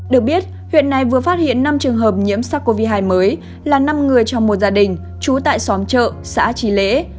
được biết huyện này vừa phát hiện năm trường hợp nhiễm sars cov hai mới là năm người trong một gia đình trú tại xóm chợ xã trí lễ